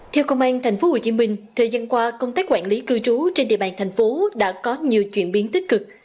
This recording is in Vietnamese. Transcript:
theo công an tp hcm thời gian qua công tác quản lý cư trú trên địa bàn thành phố đã có nhiều chuyển biến tích cực